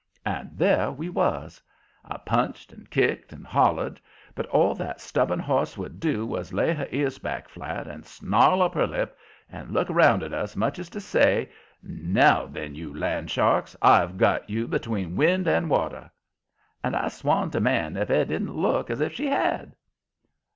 And there we was! I punched and kicked and hollered, but all that stubborn horse would do was lay her ears back flat, and snarl up her lip, and look round at us, much as to say: "Now, then, you land sharks, I've got you between wind and water!" And I swan to man if it didn't look as if she had!